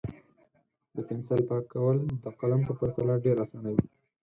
د پنسل پاکول د قلم په پرتله ډېر اسانه وي.